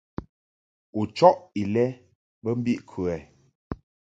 U chɔʼ ilɛ bə mbiʼ kə ?